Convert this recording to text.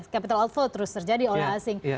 capital outflow terus terjadi oleh asing